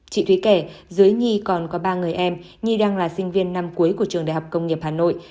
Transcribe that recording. chị thúy kể dưới nhi còn có ba người em nhi đang là sinh viên năm cuối của trường đại học công nghiệp hà nội